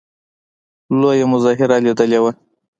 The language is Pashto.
لویه مظاهره لیدلې وه.